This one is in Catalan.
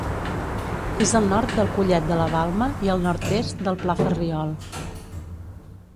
És al nord del Collet de la Balma i al nord-est del Pla Ferriol.